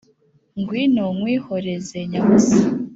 Ngwino nkwihoreze nyabusa